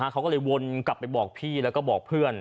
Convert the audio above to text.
เขาก็เลยวนกลับไปบอกพี่แล้วก็บอกเพื่อน